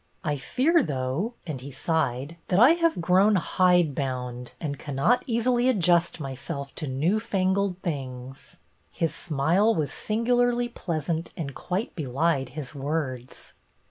I fear, though," and he sighed, " that I have grown hide bound and cannot easily adjust myself to new fangled things." His smile was singu larly pleasant and quite belied his words.